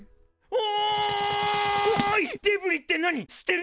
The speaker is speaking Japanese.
お！